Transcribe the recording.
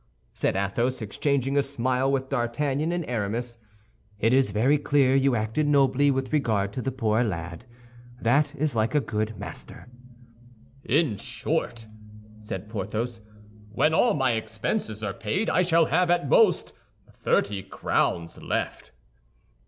said Athos, exchanging a smile with D'Artagnan and Aramis, "it is very clear you acted nobly with regard to the poor lad; that is like a good master." "In short," said Porthos, "when all my expenses are paid, I shall have, at most, thirty crowns left."